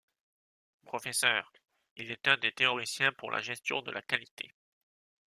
Professeur, il est un des théoriciens pour la gestion de la qualité.